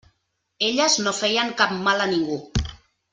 Elles no feien cap mal a ningú.